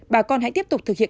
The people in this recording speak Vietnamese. bà con hãy tiếp tục thực hiện